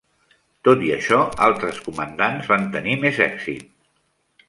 Tot i això, altres comandants van tenir més èxit.